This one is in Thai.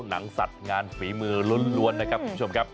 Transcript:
หนังสัตว์งานฝีมือล้วนนะครับคุณผู้ชมครับ